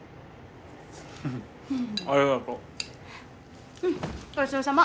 ありがとうごちそうさま